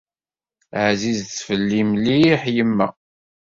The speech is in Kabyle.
Ԑzizet fell-i mliḥ yemma.